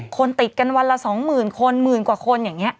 คนติดกันวันละ๒๐๐๐คนหมื่นกว่าคนอย่างนี้